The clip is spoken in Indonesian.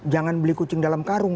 jangan beli kucing dalam karung